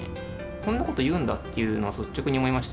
こんなこと言うんだというのは率直に思いました。